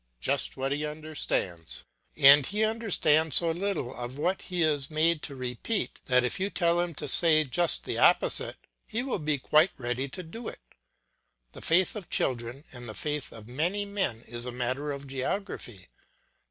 Just what he understands; and he understands so little of what he is made to repeat that if you tell him to say just the opposite he will be quite ready to do it. The faith of children and the faith of many men is a matter of geography.